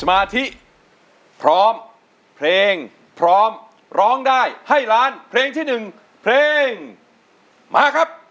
มาที่พร้อมเพลงพร้อมร้องได้ให้ล้านเพลงที่๑เพลงมาครับ